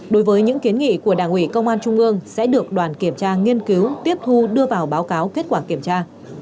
đối với những kiến nghị của đảng ủy công an trung ương sẽ được đoàn kiểm tra nghiên cứu tiếp thu đưa vào báo cáo kết quả kiểm tra